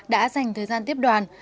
đã dành thời gian tiếp đoàn